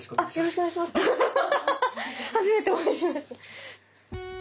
初めてお会いしました。